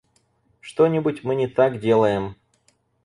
Что-нибудь мы не так делаем.